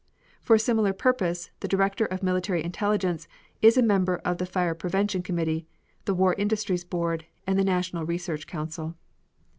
For a similar purpose, the Director of Military Intelligence is a member of the Fire Prevention Committee, the War Industries Board, and the National Research Council.